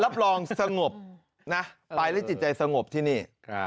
รับรองสงบนะไปแล้วจิตใจสงบที่นี่